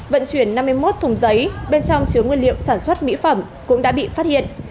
vận chuyển năm mươi một thùng giấy bên trong chứa nguyên liệu sản xuất mỹ phẩm cũng đã bị phát hiện